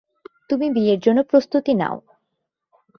তুমি বিয়ের জন্য প্রস্তুতি নাও।